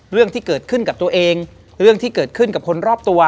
เรื่องที่เกิดขึ้นกับตัวเองเรื่องที่เกิดขึ้นกับคนรอบตัว